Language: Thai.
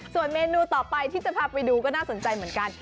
ส่วนเมนูต่อไปที่จะพาไปดูก็น่าสนใจเหมือนกัน